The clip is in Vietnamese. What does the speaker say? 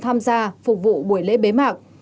tham gia phục vụ buổi lễ bế mạc